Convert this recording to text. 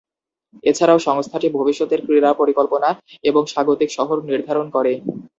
এছাড়াও সংস্থাটি ভবিষ্যতের ক্রীড়া পরিকল্পনা এবং স্বাগতিক শহর নির্ধারণ করে।